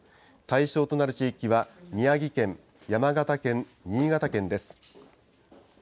対象となる地域は、宮城県、山形県、新潟県です。